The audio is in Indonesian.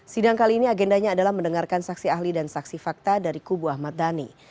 sidang kali ini agendanya adalah mendengarkan saksi ahli dan saksi fakta dari kubu ahmad dhani